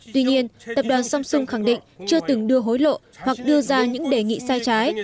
tuy nhiên tập đoàn samsung khẳng định chưa từng đưa hối lộ hoặc đưa ra những đề nghị sai trái